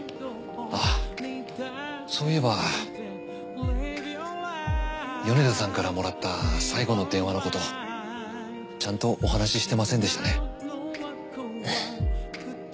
あっそういえば米田さんからもらった最後の電話のことちゃんとお話ししてませんでしたね。